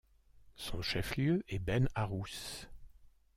Son chef-lieu est Ben Arous.